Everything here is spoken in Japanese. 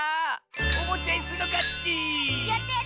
おもちゃいすのかち。